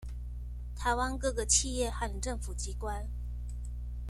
台灣各個企業和政府機關